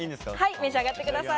召し上がってください。